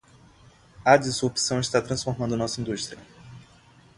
A disrupção está transformando nossa indústria.